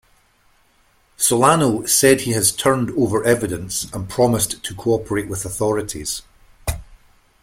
Solano said he has turned over evidence and promised to cooperate with authorities.